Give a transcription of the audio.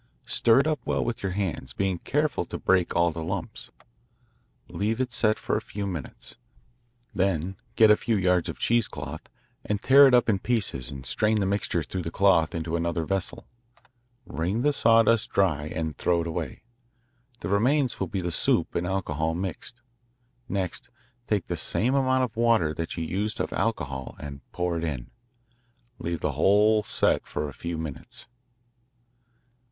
Stir it up well with your hands, being careful to break all the lumps. Leave it set for a few minutes. Then get a few yards of cheesecloth and tear it up in pieces and strain the mixture through the cloth into another Vessel. Wring the sawdust dry and throw it away. The remains will be the soup and alcohol mixed. Next take the same amount of water as you used of alcohol and pour it in. Leave the whole set for a few minutes.